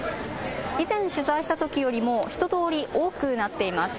以前、取材したときよりも人通り、多くなっています。